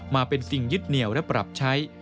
มาเป็นสิ่งยึดเหนียวและปรับใช้